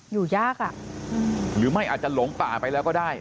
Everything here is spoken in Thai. อยู่ยากอ่ะหรือไม่อาจจะหลงป่าไปแล้วก็ได้